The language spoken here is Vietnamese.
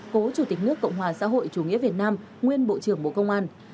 cố chủ tịch nước cộng hòa xã hội chủ nghĩa việt nam nguyên bộ trưởng bộ công an